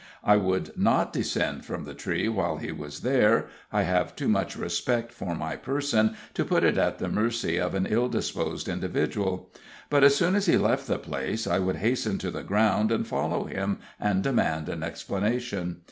I would not descend from the tree while he was there I have too much respect for my person to put it at the mercy of an ill disposed individual. But as soon as he left the place, I would hasten to the ground, follow him, and demand an explanation.